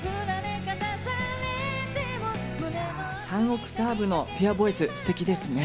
３オクターブのピュアボイス、すてきですね。